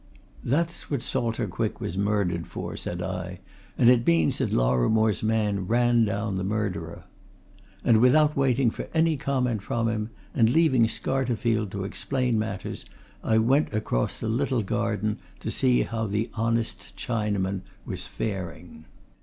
"That's what Salter Quick was murdered for," said I. "And it means that Lorrimore's man ran down the murderer." And without waiting for any comment from him, and leaving Scarterfield to explain matters, I went across the little garden to see how the honest Chinaman was faring.